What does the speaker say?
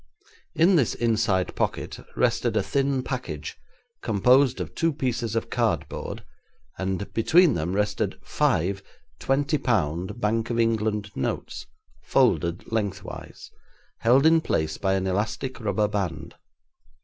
In this inside pocket rested a thin package, composed of two pieces of cardboard, and between them rested five twenty pound Bank of England notes, folded lengthwise, held in place by an elastic rubber band.